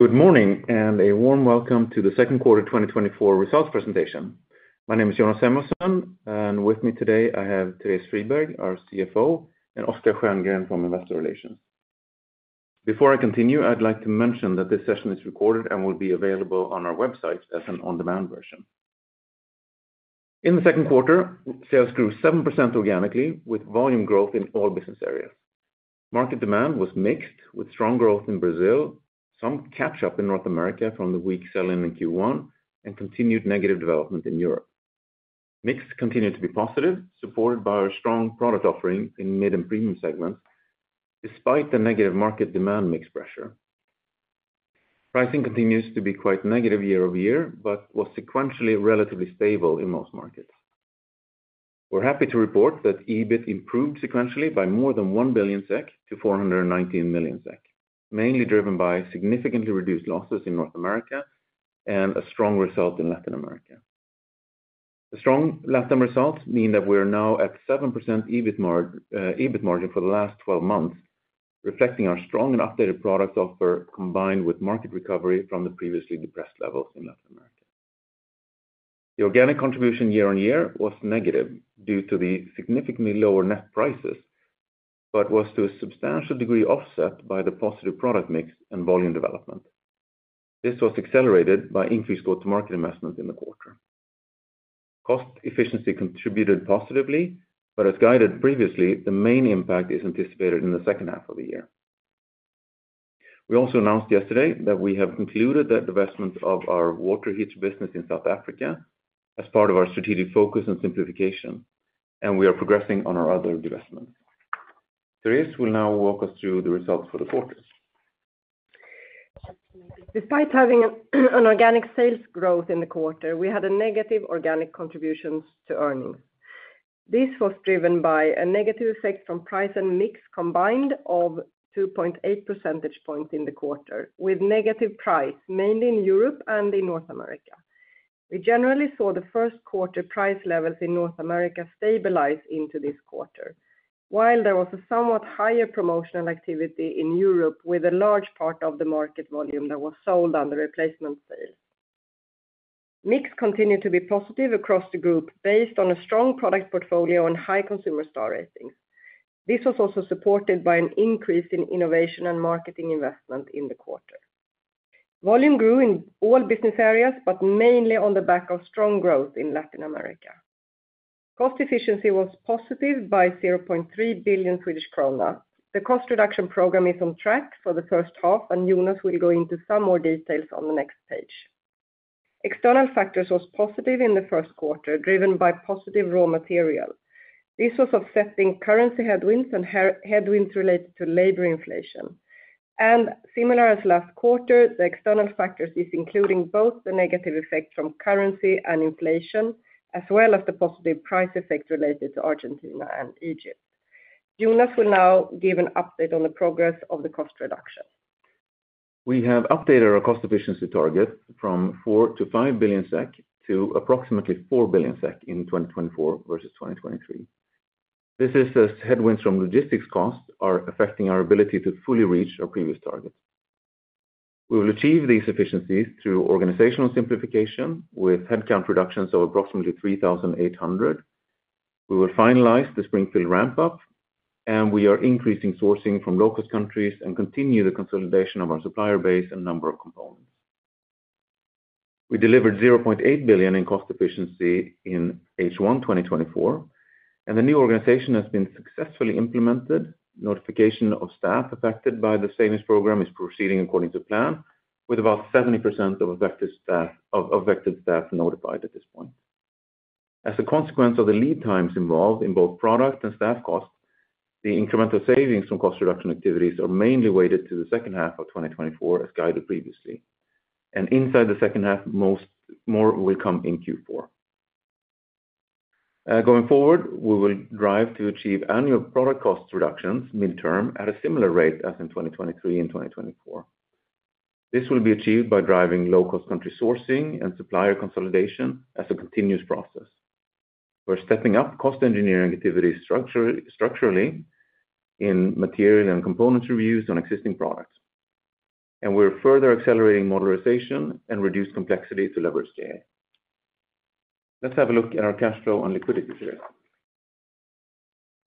Good morning, and a warm welcome to the second quarter 2024 results presentation. My name is Jonas Samuelson, and with me today, I have Therese Friberg, our CFO, and Oscar Stjerngren from Investor Relations. Before I continue, I'd like to mention that this session is recorded and will be available on our website as an on-demand version. In the second quarter, sales grew 7% organically, with volume growth in all business areas. Market demand was mixed, with strong growth in Brazil, some catch up in North America from the weak selling in Q1, and continued negative development in Europe. Mix continued to be positive, supported by our strong product offering in mid and premium segments, despite the negative market demand mix pressure. Pricing continues to be quite negative year-over-year, but was sequentially relatively stable in most markets. We're happy to report that EBIT improved sequentially by more than 1 billion SEK to 419 million SEK, mainly driven by significantly reduced losses in North America and a strong result in Latin America. The strong Latin results mean that we are now at 7% EBIT margin for the last 12 months, reflecting our strong and updated product offer, combined with market recovery from the previously depressed levels in Latin America. The organic contribution year-on-year was negative due to the significantly lower net prices, but was to a substantial degree, offset by the positive product mix and volume development. This was accelerated by increased go-to-market investment in the quarter. Cost efficiency contributed positively, but as guided previously, the main impact is anticipated in the second half of the year. We also announced yesterday that we have concluded the divestment of our water heater business in South Africa as part of our strategic focus on simplification, and we are progressing on our other divestment. Therese will now walk us through the results for the quarters. Despite having an organic sales growth in the quarter, we had a negative organic contribution to earnings. This was driven by a negative effect from price and mix, combined of 2.8 percentage points in the quarter, with negative price, mainly in Europe and in North America. We generally saw the first quarter price levels in North America stabilize into this quarter, while there was a somewhat higher promotional activity in Europe, with a large part of the market volume that was sold on the replacement sales. Mix continued to be positive across the group, based on a strong product portfolio and high consumer star ratings. This was also supported by an increase in innovation and marketing investment in the quarter. Volume grew in all business areas, but mainly on the back of strong growth in Latin America. Cost efficiency was positive by 0.3 billion Swedish krona. The cost reduction program is on track for the first half, and Jonas will go into some more details on the next page. External factors was positive in the first quarter, driven by positive raw material. This was offsetting currency headwinds and headwinds related to labor inflation. And similar as last quarter, the external factors is including both the negative effect from currency and inflation, as well as the positive price effect related to Argentina and Egypt. Jonas will now give an update on the progress of the cost reduction. We have updated our cost efficiency target from 4 billion-5 billion SEK to approximately 4 billion SEK in 2024 versus 2023. This is as headwinds from logistics costs are affecting our ability to fully reach our previous targets. We will achieve these efficiencies through organizational simplification, with headcount reductions of approximately 3,800. We will finalize the Springfield ramp up, and we are increasing sourcing from local countries and continue the consolidation of our supplier base and number of components. We delivered 0.8 billion in cost efficiency in H1 2024, and the new organization has been successfully implemented. Notification of staff affected by the savings program is proceeding according to plan, with about 70% of affected staff notified at this point. As a consequence of the lead times involved in both product and staff costs, the incremental savings from cost reduction activities are mainly weighted to the second half of 2024, as guided previously. Inside the second half, more will come in Q4. Going forward, we will drive to achieve annual product cost reductions midterm at a similar rate as in 2023 and 2024. This will be achieved by driving low-cost country sourcing and supplier consolidation as a continuous process. We're stepping up cost engineering activity structurally in material and components reviews on existing products. We're further accelerating modularization and reduced complexity to leverage scale. Let's have a look at our cash flow and liquidity here.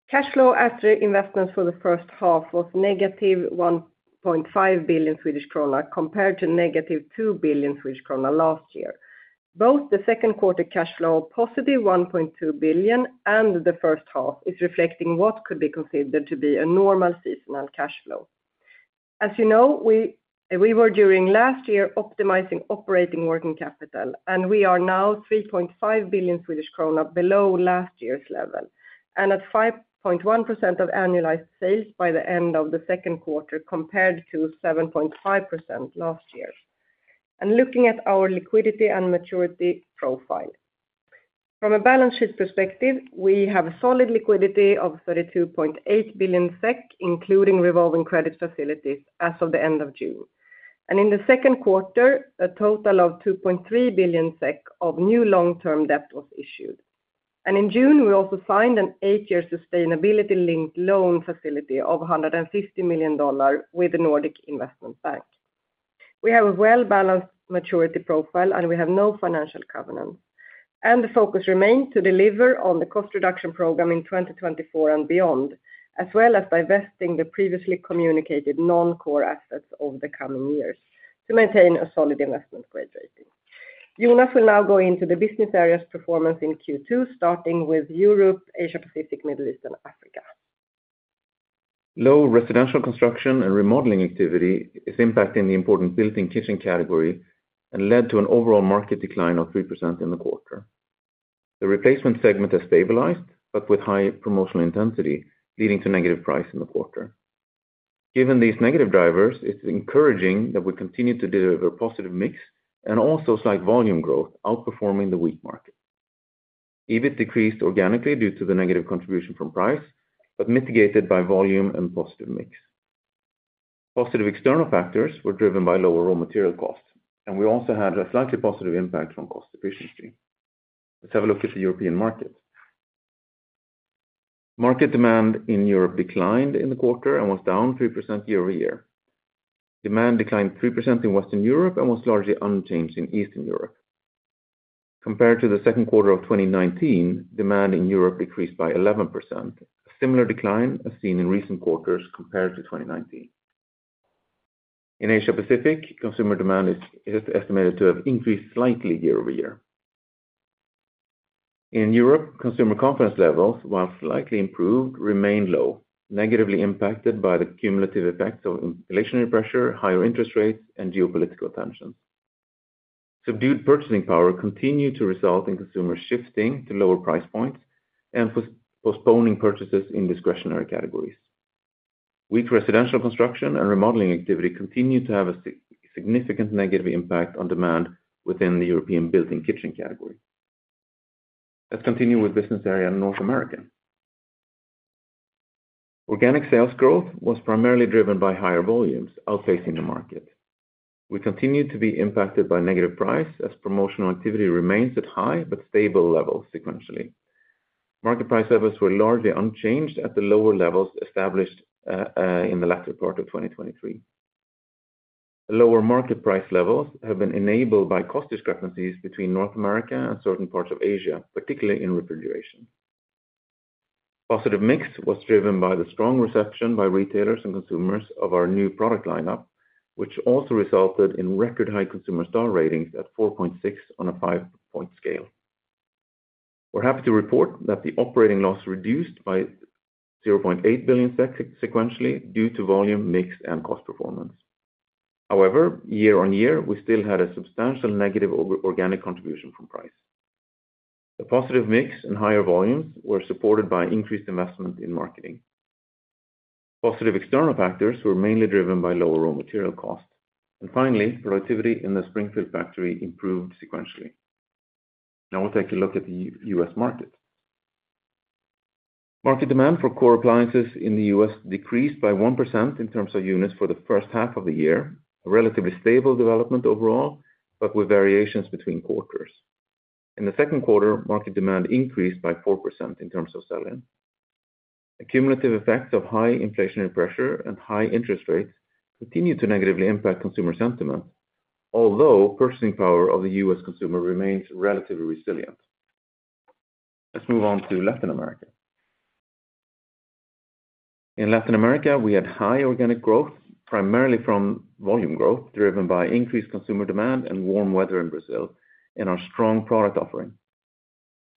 Cash flow after investments for the first half was negative 1.5 billion Swedish krona, compared to negative 2 billion Swedish krona last year. Both the second quarter cash flow, positive 1.2 billion, and the first half, is reflecting what could be considered to be a normal seasonal cash flow. As you know, we were during last year optimizing operating working capital, and we are now 3.5 billion Swedish krona below last year's level, and at 5.1% of annualized sales by the end of the second quarter, compared to 7.5% last year. Looking at our liquidity and maturity profile. From a balance sheet perspective, we have a solid liquidity of 32.8 billion SEK, including revolving credit facilities as of the end of June. In the second quarter, a total of 2.3 billion SEK of new long-term debt was issued, and in June, we also signed an eight-year sustainability-linked loan facility of $150 million with the Nordic Investment Bank. We have a well-balanced maturity profile, and we have no financial covenants, and the focus remains to deliver on the cost reduction program in 2024 and beyond, as well as divesting the previously communicated non-core assets over the coming years to maintain a solid investment grade rating. Jonas will now go into the business areas performance in Q2, starting with Europe, Asia, Pacific, Middle East, and Africa. Low residential construction and remodeling activity is impacting the important built-in kitchen category and led to an overall market decline of 3% in the quarter. The replacement segment has stabilized, but with high promotional intensity, leading to negative price in the quarter. Given these negative drivers, it's encouraging that we continue to deliver positive mix and also slight volume growth, outperforming the weak market. EBIT decreased organically due to the negative contribution from price, but mitigated by volume and positive mix. Positive external factors were driven by lower raw material costs, and we also had a slightly positive impact from cost efficiency. Let's have a look at the European market. Market demand in Europe declined in the quarter and was down 3% year-over-year. Demand declined 3% in Western Europe and was largely unchanged in Eastern Europe. Compared to the second quarter of 2019, demand in Europe decreased by 11%, a similar decline as seen in recent quarters compared to 2019. In Asia-Pacific, consumer demand is estimated to have increased slightly year-over-year. In Europe, consumer confidence levels, while slightly improved, remain low, negatively impacted by the cumulative effects of inflationary pressure, higher interest rates, and geopolitical tension. Subdued purchasing power continued to result in consumers shifting to lower price points and postponing purchases in discretionary categories. Weak residential construction and remodeling activity continued to have a significant negative impact on demand within the European built-in kitchen category. Let's continue with business area in North America. Organic sales growth was primarily driven by higher volumes, outpacing the market. We continued to be impacted by negative price as promotional activity remains at high but stable levels sequentially. Market price levels were largely unchanged at the lower levels established in the latter part of 2023. Lower market price levels have been enabled by cost discrepancies between North America and certain parts of Asia, particularly in refrigeration. Positive mix was driven by the strong reception by retailers and consumers of our new product lineup, which also resulted in record high consumer star ratings at 4.6 on a 5-point scale. We're happy to report that the operating loss reduced by 0.8 billion SEK sequentially due to volume, mix, and cost performance. However, year-on-year, we still had a substantial negative or organic contribution from price. The positive mix and higher volumes were supported by increased investment in marketing. Positive external factors were mainly driven by lower raw material costs. Finally, productivity in the Springfield factory improved sequentially. Now, we'll take a look at the U.S. market. Market demand for core appliances in the U.S. decreased by 1% in terms of units for the first half of the year, a relatively stable development overall, but with variations between quarters. In the second quarter, market demand increased by 4% in terms of sell-in. A cumulative effect of high inflationary pressure and high interest rates continued to negatively impact consumer sentiment, although purchasing power of the U.S. consumer remains relatively resilient. Let's move on to Latin America. In Latin America, we had high organic growth, primarily from volume growth, driven by increased consumer demand and warm weather in Brazil and our strong product offering.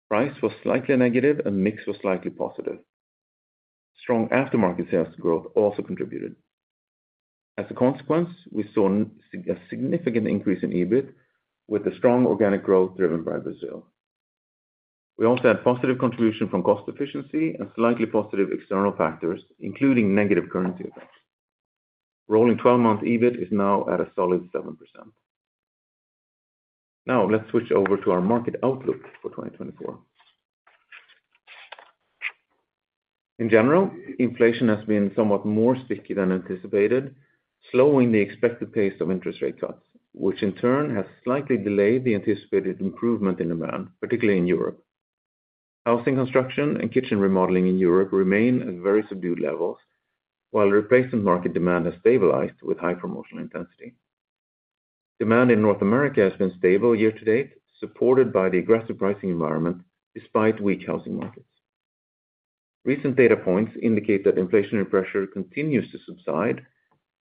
Price was slightly negative and mix was slightly positive. Strong aftermarket sales growth also contributed. As a consequence, we saw a significant increase in EBIT with a strong organic growth driven by Brazil. We also had positive contribution from cost efficiency and slightly positive external factors, including negative currency effects. Rolling 12-month EBIT is now at a solid 7%. Now, let's switch over to our market outlook for 2024. In general, inflation has been somewhat more sticky than anticipated, slowing the expected pace of interest rate cuts, which in turn has slightly delayed the anticipated improvement in demand, particularly in Europe. Housing construction and kitchen remodeling in Europe remain at very subdued levels, while replacement market demand has stabilized with high promotional intensity. Demand in North America has been stable year to date, supported by the aggressive pricing environment despite weak housing markets. Recent data points indicate that inflationary pressure continues to subside,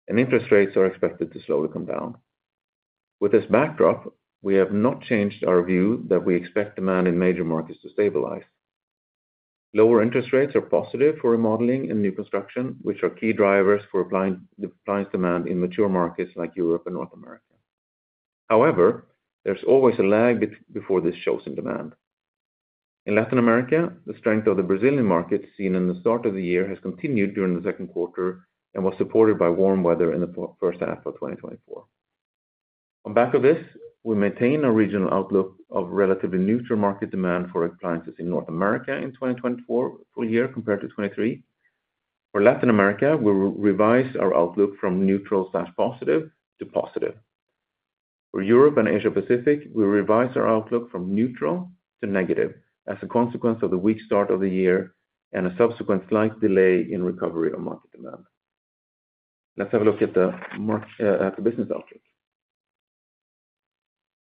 and interest rates are expected to slowly come down. With this backdrop, we have not changed our view that we expect demand in major markets to stabilize. Lower interest rates are positive for remodeling and new construction, which are key drivers for underlying the appliance demand in mature markets like Europe and North America. However, there's always a lag before this shows in demand. In Latin America, the strength of the Brazilian market seen in the start of the year has continued during the second quarter and was supported by warm weather in the first half of 2024. On back of this, we maintain a regional outlook of relatively neutral market demand for appliances in North America in 2024 full year compared to 2023. For Latin America, we revise our outlook from neutral/positive to positive. For Europe and Asia Pacific, we revise our outlook from neutral to negative as a consequence of the weak start of the year and a subsequent slight delay in recovery of market demand. Let's have a look at the mark at the business outlook.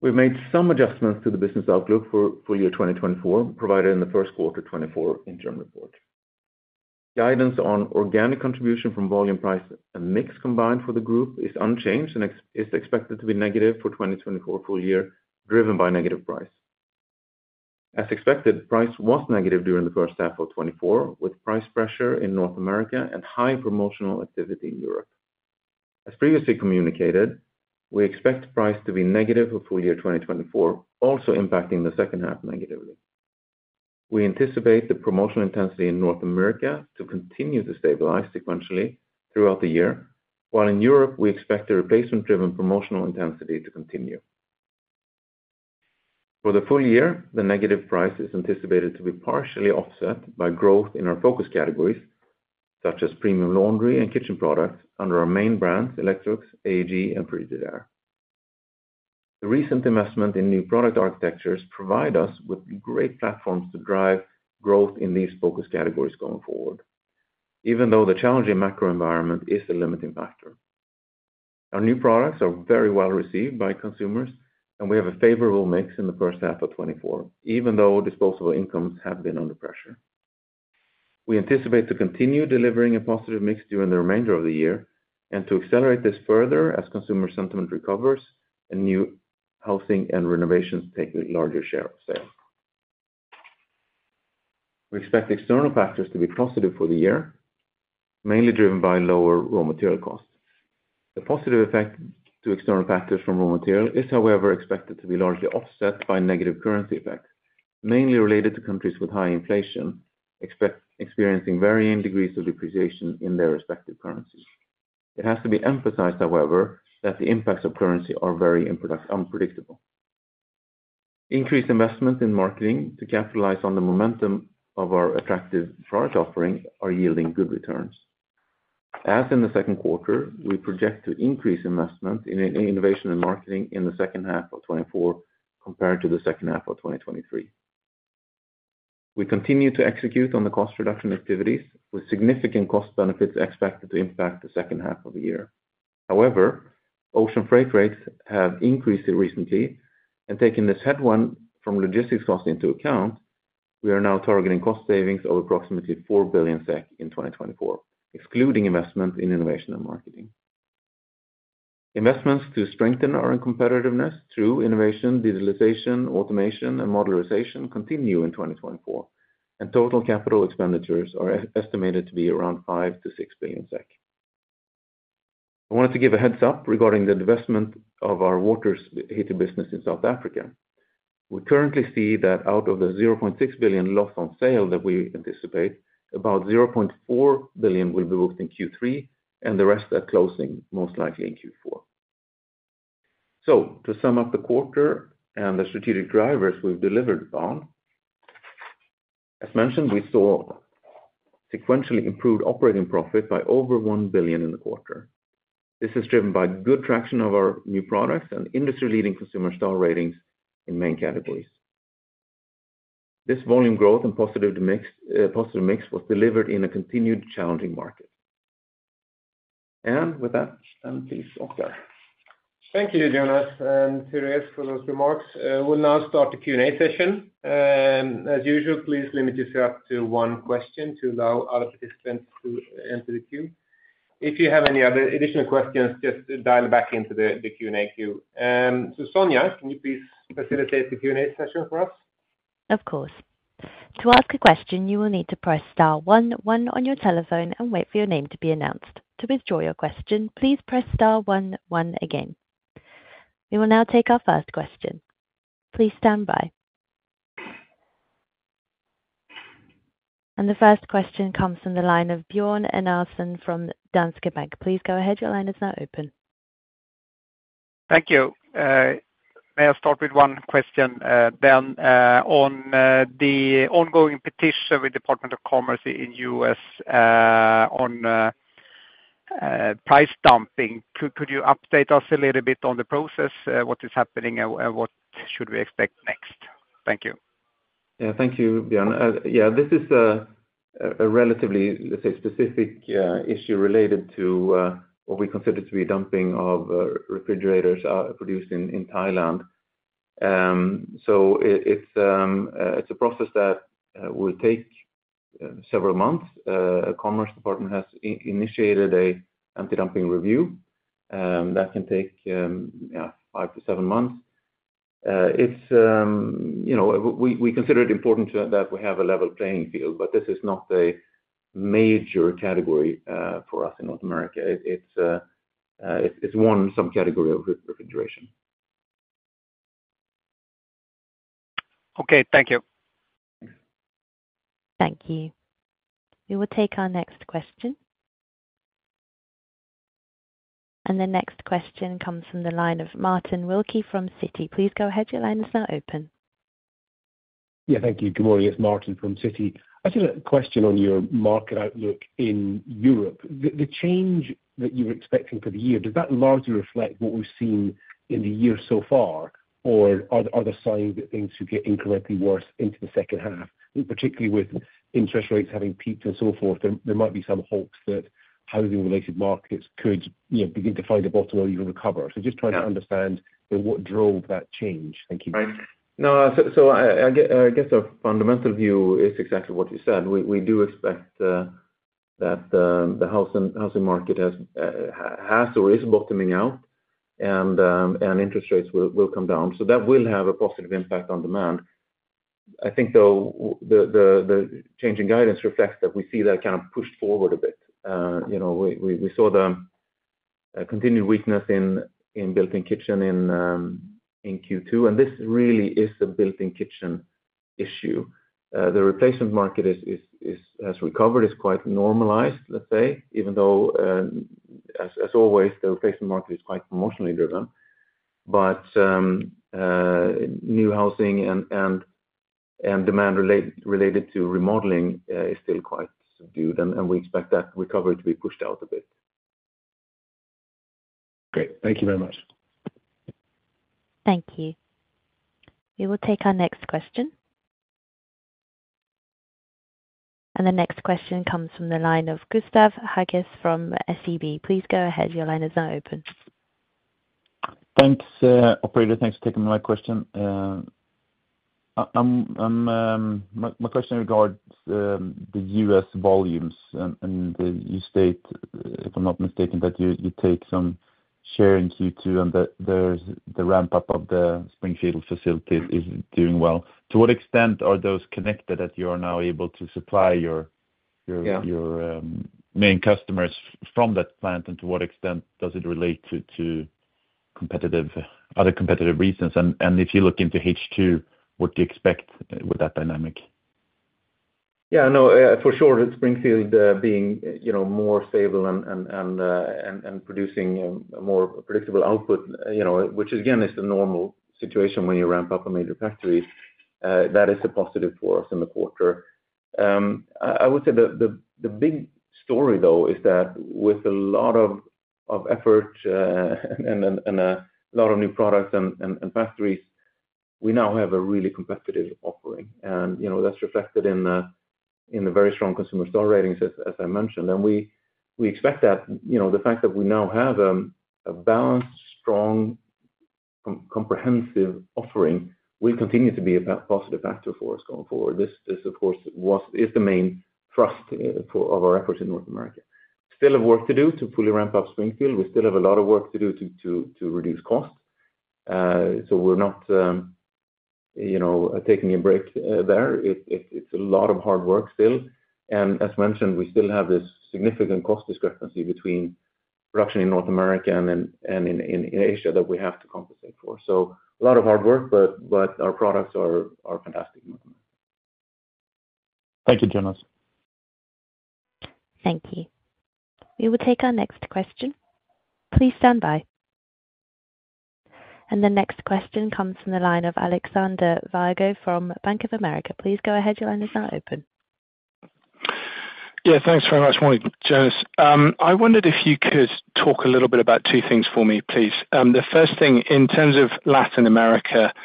We've made some adjustments to the business outlook for, for year 2024, provided in the first quarter 2024 interim report. Guidance on organic contribution from volume price and mix combined for the group is unchanged, and EBIT is expected to be negative for 2024 full year, driven by negative price. As expected, price was negative during the first half of 2024, with price pressure in North America and high promotional activity in Europe. As previously communicated, we expect price to be negative for full year 2024, also impacting the second half negatively. We anticipate the promotional intensity in North America to continue to stabilize sequentially throughout the year, while in Europe, we expect a replacement-driven promotional intensity to continue. For the full year, the negative price is anticipated to be partially offset by growth in our focus categories, such as premium laundry and kitchen products, under our main brands, Electrolux, AEG, and Frigidaire. The recent investment in new product architectures provide us with great platforms to drive growth in these focus categories going forward, even though the challenging macro environment is a limiting factor. Our new products are very well received by consumers, and we have a favorable mix in the first half of 2024, even though disposable incomes have been under pressure. We anticipate to continue delivering a positive mix during the remainder of the year, and to accelerate this further as consumer sentiment recovers and new housing and renovations take a larger share of sale. We expect external factors to be positive for the year, mainly driven by lower raw material costs. The positive effect to external factors from raw material is, however, expected to be largely offset by negative currency effects, mainly related to countries with high inflation, experiencing varying degrees of depreciation in their respective currencies. It has to be emphasized, however, that the impacts of currency are very unpredictable. Increased investment in marketing to capitalize on the momentum of our attractive product offerings are yielding good returns. As in the second quarter, we project to increase investment in innovation and marketing in the second half of 2024, compared to the second half of 2023. We continue to execute on the cost reduction activities, with significant cost benefits expected to impact the second half of the year. However, ocean freight rates have increased recently, and taking this headwind from logistics costs into account, we are now targeting cost savings of approximately 4 billion SEK in 2024, excluding investment in innovation and marketing. Investments to strengthen our competitiveness through innovation, digitalization, automation, and modernization continue in 2024, and total capital expenditures are estimated to be around 5 billion-6 billion SEK. I wanted to give a heads-up regarding the divestment of our water heater business in South Africa. We currently see that out of the 0.6 billion loss on sale that we anticipate, about 0.4 billion will be booked in Q3, and the rest are closing, most likely in Q4. So to sum up the quarter and the strategic drivers we've delivered on, as mentioned, we saw sequentially improved operating profit by over 1 billion in the quarter. This is driven by good traction of our new products and industry-leading consumer star ratings in main categories. This volume growth and positive mix, positive mix, was delivered in a continued challenging market. And with that, please, Oscar. Thank you, Jonas and Therese, for those remarks. We'll now start the Q&A session. As usual, please limit yourself to one question to allow other participants to enter the queue. If you have any other additional questions, just dial back into the Q&A queue. So Sonia, can you please facilitate the Q&A session for us? Of course. To ask a question, you will need to press star one one on your telephone and wait for your name to be announced. To withdraw your question, please press star one one again. We will now take our first question. Please stand by. The first question comes from the line of Björn Enarson from Danske Bank. Please go ahead. Your line is now open. Thank you. May I start with one question, then on the ongoing petition with U.S. Department of Commerce in U.S. on anti-dumping. Could you update us a little bit on the process, what is happening and what should we expect next? Thank you. Yeah, thank you, Björn. Yeah, this is a relatively, let's say, specific issue related to what we consider to be dumping of refrigerators produced in Thailand. So it's a process that will take several months. Commerce Department has initiated a anti-dumping review that can take, yeah, five to seven months. It's, you know... We consider it important to-- that we have a level playing field, but this is not a major category for us in North America. It's, it's one subcategory of refrigeration. Okay. Thank you. Thank you. We will take our next question. The next question comes from the line of Martin Wilkie from Citi. Please go ahead. Your line is now open.... Yeah, thank you. Good morning, it's Martin from Citi. I just have a question on your market outlook in Europe. The change that you're expecting for the year, does that largely reflect what we've seen in the year so far, or are there signs that things should get incrementally worse into the second half? Particularly with interest rates having peaked and so forth, there might be some hopes that housing-related markets could, you know, begin to find a bottom or even recover. So just trying to understand then what drove that change. Thank you. Right. No, so I get, I guess our fundamental view is exactly what you said. We do expect that the housing market has or is bottoming out, and interest rates will come down. So that will have a positive impact on demand. I think, though, the change in guidance reflects that we see that kind of pushed forward a bit. You know, we saw the continued weakness in built-in kitchen in Q2, and this really is a built-in kitchen issue. The replacement market has recovered, is quite normalized, let's say, even though, as always, the replacement market is quite emotionally driven. But, new housing and demand related to remodeling is still quite subdued, and we expect that recovery to be pushed out a bit. Great, thank you very much. Thank you. We will take our next question. And the next question comes from the line of Gustav Hageus from SEB. Please go ahead. Your line is now open. Thanks, operator. Thanks for taking my question. My question regards the U.S. volumes, and you state, if I'm not mistaken, that you take some share in Q2, and there's the ramp up of the Springfield facility is doing well. To what extent are those connected, that you are now able to supply your? Yeah... your main customers from that plant? And to what extent does it relate to competitive, other competitive reasons? And if you look into H2, what do you expect with that dynamic? Yeah, no, for sure, Springfield being, you know, more stable and producing a more predictable output, you know, which again, is the normal situation when you ramp up a major factory, that is a positive for us in the quarter. I would say the big story, though, is that with a lot of effort and a lot of new products and factories, we now have a really competitive offering. And, you know, that's reflected in the very strong consumer star ratings, as I mentioned. And we expect that, you know, the fact that we now have a balanced, strong, comprehensive offering will continue to be a positive factor for us going forward. This, of course, is the main thrust for of our efforts in North America. Still have work to do to fully ramp up Springfield. We still have a lot of work to do to reduce costs. So we're not, you know, taking a break there. It's a lot of hard work still. And as mentioned, we still have this significant cost discrepancy between production in North America and in Asia that we have to compensate for. So a lot of hard work, but our products are fantastic. Thank you, Jonas. Thank you. We will take our next question. Please stand by. The next question comes from the line of Alexander Virgo from Bank of America. Please go ahead. Your line is now open. Yeah, thanks very much. Morning, Jonas. I wondered if you could talk a little bit about two things for me, please. The first thing, in terms of Latin America and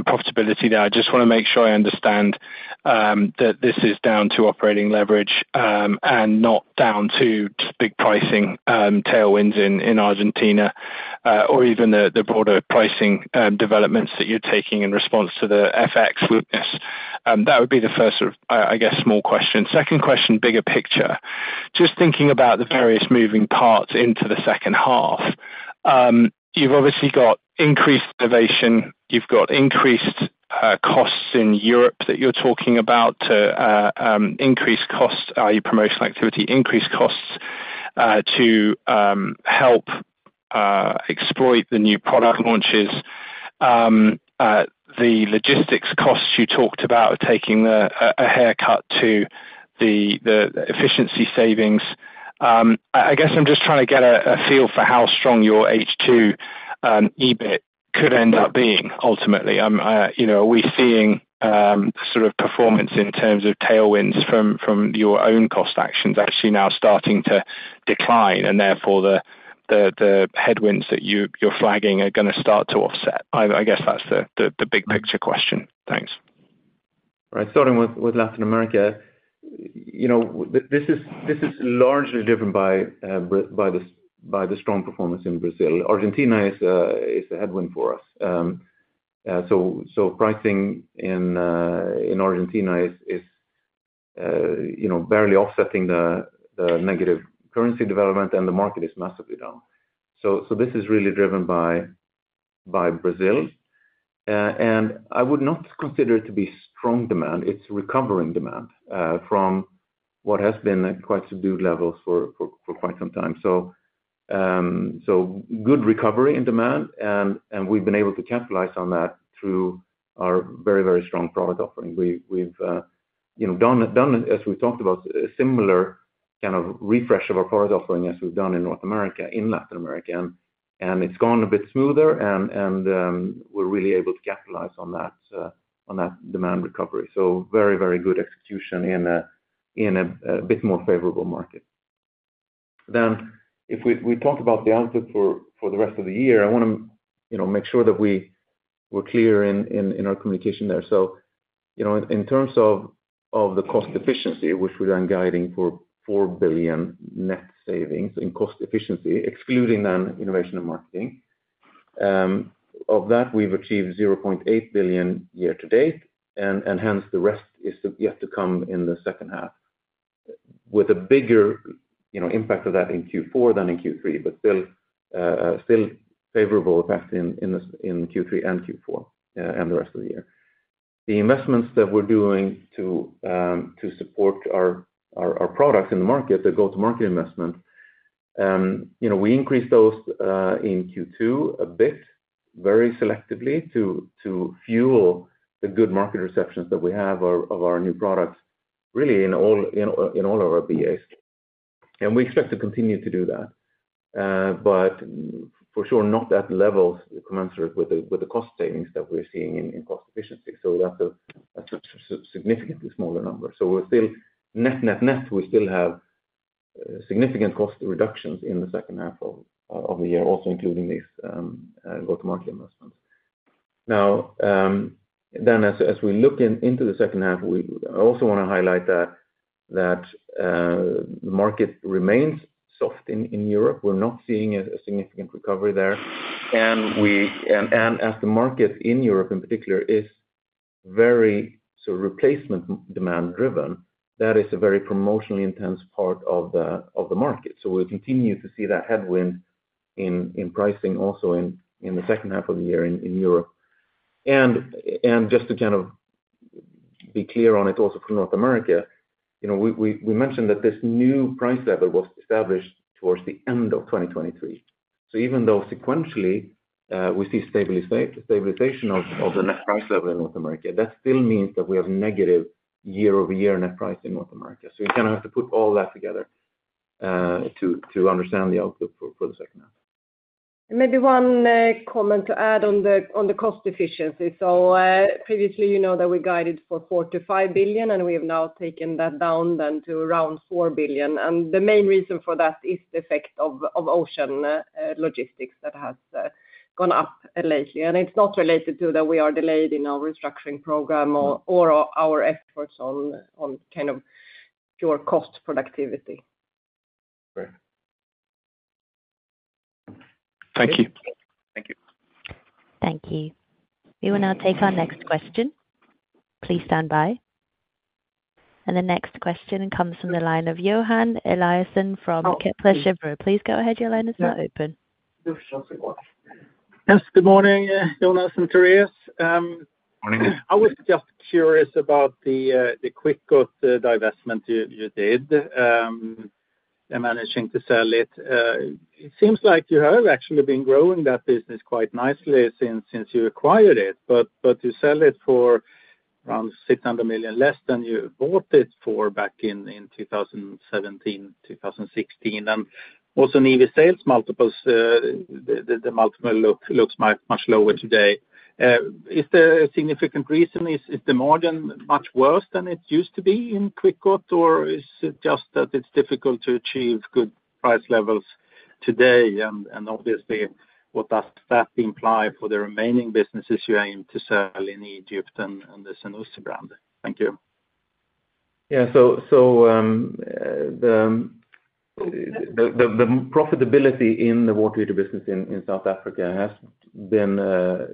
profitability there, I just want to make sure I understand that this is down to operating leverage and not down to big pricing tailwinds in Argentina or even the broader pricing developments that you're taking in response to the FX weakness. That would be the first, sort of, I guess, small question. Second question, bigger picture. Just thinking about the various moving parts into the second half, you've obviously got increased innovation, you've got increased costs in Europe that you're talking about, increased costs, your promotional activity, increased costs to help exploit the new product launches. The logistics costs you talked about taking a haircut to the efficiency savings. I guess I'm just trying to get a feel for how strong your H2 EBIT could end up being ultimately. You know, are we seeing sort of performance in terms of tailwinds from your own cost actions actually now starting to decline, and therefore the headwinds that you're flagging are gonna start to offset? I guess that's the big picture question. Thanks. Right. Starting with Latin America, you know, this is largely driven by the strong performance in Brazil. Argentina is a headwind for us. So pricing in Argentina is, you know, barely offsetting the negative currency development, and the market is massively down. So this is really driven by Brazil. And I would not consider it to be strong demand. It's recovering demand from what has been at quite subdued levels for quite some time. So good recovery in demand, and we've been able to capitalize on that through our very strong product offering. We've, you know, done, as we talked about, similar-... kind of refresh of our product offering, as we've done in North America, in Latin America, and it's gone a bit smoother, and we're really able to capitalize on that, on that demand recovery. So very, very good execution in a bit more favorable market. Then if we talk about the outlook for the rest of the year, I wanna, you know, make sure that we're clear in our communication there. So, you know, in terms of the cost efficiency, which we are then guiding for 4 billion net savings in cost efficiency, excluding then innovation and marketing, of that, we've achieved 0.8 billion year to date, and hence, the rest is yet to come in the second half, with a bigger, you know, impact of that in Q4 than in Q3, but still, still favorable effect in the Q3 and Q4, and the rest of the year. The investments that we're doing to support our products in the market, the go-to-market investment, you know, we increased those in Q2 a bit, very selectively to fuel the good market receptions that we have of our new products, really in all of our BAs. And we expect to continue to do that. But for sure, not that level commensurate with the cost savings that we're seeing in cost efficiency, so that's a significantly smaller number. So we're still net, we still have significant cost reductions in the second half of the year, also including these go-to-market investments. Now, then as we look into the second half, I also wanna highlight that the market remains soft in Europe. We're not seeing a significant recovery there. And as the market in Europe in particular is very sort of replacement demand driven, that is a very promotionally intense part of the market. So we'll continue to see that headwind in pricing also in the second half of the year in Europe. And just to kind of be clear on it also for North America, you know, we mentioned that this new price level was established towards the end of 2023. So even though sequentially we see stabilization of the net price level in North America, that still means that we have negative year-over-year net price in North America. So you kind of have to put all that together to understand the outlook for the second half. Maybe one comment to add on the cost efficiency. So, previously, you know that we guided for 4 billion-5 billion, and we have now taken that down then to around 4 billion. And the main reason for that is the effect of ocean logistics that has gone up lately. And it's not related to that we are delayed in our restructuring program or our efforts on kind of pure cost productivity. Right. Thank you. Thank you. Thank you. We will now take our next question. Please stand by. The next question comes from the line of Johan Eliason from Kepler Cheuvreux. Please go ahead. Your line is now open. Yes, good morning, Jonas and Therese. Morning. I was just curious about the Kwikot divestment you did and managing to sell it. It seems like you have actually been growing that business quite nicely since you acquired it, but you sell it for around 600 million, less than you bought it for back in 2017, 2016. And also in EV sales multiples, the multiple looks much lower today. Is there a significant reason? Is the margin much worse than it used to be in Kwikot, or is it just that it's difficult to achieve good price levels today? And obviously, what does that imply for the remaining businesses you aim to sell in Egypt and the Zanussi brand? Thank you. Yeah. So, the profitability in the water heater business in South Africa has been...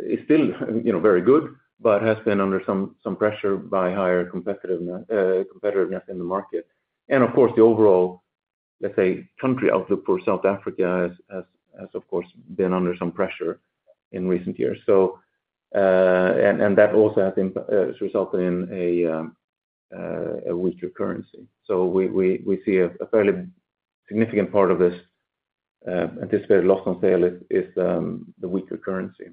is still, you know, very good, but has been under some pressure by higher competitiveness in the market. And of course, the overall, let's say, country outlook for South Africa has of course been under some pressure in recent years. So, and that also has resulted in a weaker currency. So we see a fairly significant part of this anticipated loss on sale is the weaker currency.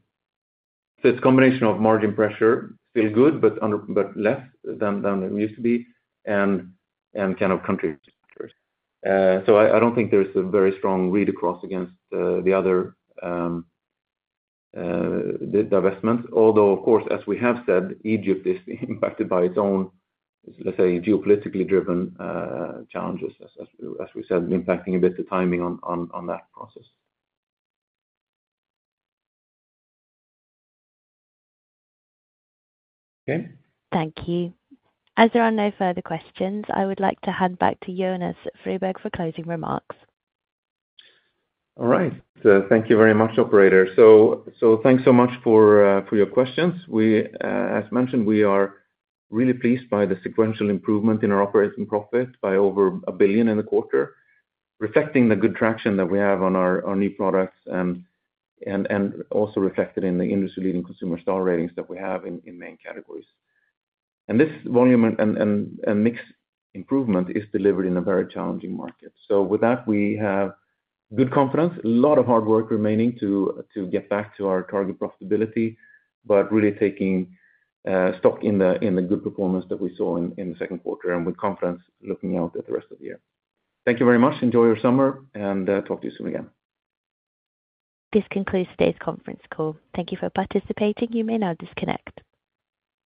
So it's a combination of margin pressure, still good, but under, but less than it used to be, and kind of country risk. So I don't think there's a very strong read across against the other the divestment. Although, of course, as we have said, Egypt is impacted by its own, let's say, geopolitically driven challenges, as we said, impacting a bit the timing on that process. Okay. Thank you. As there are no further questions, I would like to hand back to Jonas Samuelson for closing remarks. All right. Thank you very much, operator. So, thanks so much for your questions. We, as mentioned, we are really pleased by the sequential improvement in our operating profit by over 1 billion in the quarter, reflecting the good traction that we have on our new products, and also reflected in the industry-leading consumer star ratings that we have in main categories. And this volume and mixed improvement is delivered in a very challenging market. So with that, we have good confidence, a lot of hard work remaining to get back to our target profitability, but really taking stock in the good performance that we saw in the second quarter, and with confidence looking out at the rest of the year. Thank you very much. Enjoy your summer, and talk to you soon again. This concludes today's conference call. Thank you for participating. You may now disconnect.